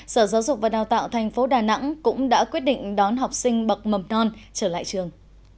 sở giáo dục và đào tạo thành phố đà nẵng cũng đã quyết định đón học sinh bậc mầm non trở lại trường